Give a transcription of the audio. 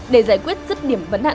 để giải quyết rất điểm vấn hạn